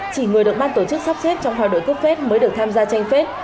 chỉ người được ban tổ chức sắp xếp trong hòa đổi cướp phết mới được tham gia tranh phết